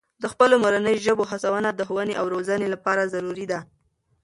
د خپلو مورنۍ ژبو هڅونه د ښوونې او روزنې لپاره ضروري ده.